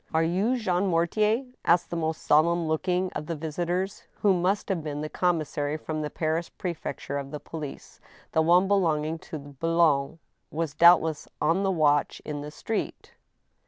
•' Are you Jean Mortier ?" asked the most solemn looking of the visitors, who must have been the commissary from the Paris pre fecture of police (the one belonging to Boulogne was doubtless on the watch in the street).